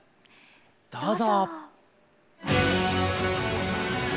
どうぞ！